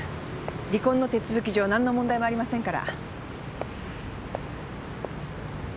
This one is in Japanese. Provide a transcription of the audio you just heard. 離婚の手続き上何の問題もありませんから。